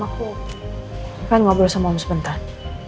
aku kan ngobrol sama om sebentar